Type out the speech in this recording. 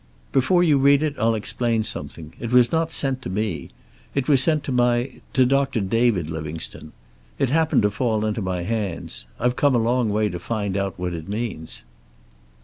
"Before you read it, I'll explain something. It was not sent to me. It was sent to my to Doctor David Livingstone. It happened to fall into my hands. I've come a long way to find out what it means."